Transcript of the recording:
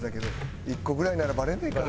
「１個ぐらいならバレないか」。